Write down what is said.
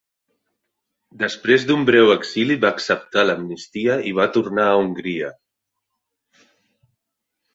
Després d'un breu exili va acceptar l'amnistia i va tornar a Hongria.